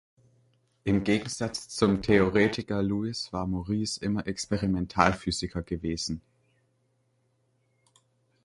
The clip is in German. Im Gegensatz zum Theoretiker Louis war Maurice immer Experimentalphysiker gewesen.